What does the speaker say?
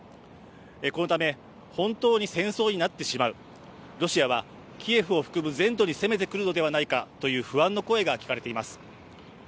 このため本当に戦争になってしまう、ロシアはキエフを含む、全都に攻めてくるのではないかという不安の声が聞かれています。